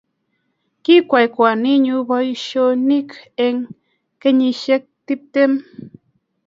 kikwai kwaninyu boishoni eng kenyishek tiptem